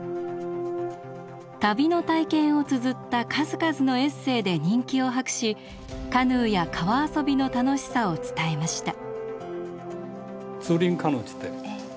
旅の体験をつづった数々のエッセーで人気を博しカヌーや川遊びの楽しさを伝えました。